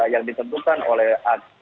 yang ditentukan oleh agen